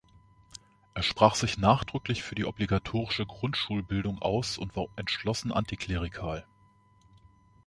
Er sprach sich nachdrücklich für die obligatorische Grundschulbildung aus und war entschlossen antiklerikal.